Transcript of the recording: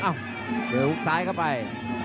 เดินหุ้กซ้ายเข้าไป